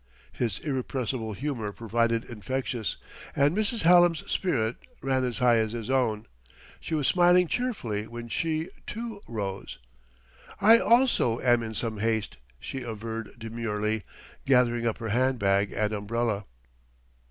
His irrepressible humor proved infectious; and Mrs. Hallam's spirit ran as high as his own. She was smiling cheerfully when she, too, rose. "I also am in some haste," she averred demurely, gathering up her hand bag and umbrella.